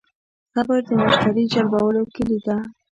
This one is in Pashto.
صبر د مشتری جلبولو کیلي ده.